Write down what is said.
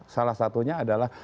salah satunya adalah